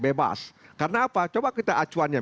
bebas karena apa coba kita acuannya